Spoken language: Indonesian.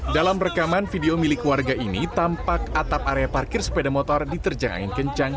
dalam rekaman video milik warga ini tampak atap area parkir sepeda motor diterjang angin kencang